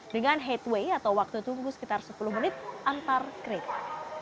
dengan headway atau waktu tunggu sekitar sepuluh menit antar kereta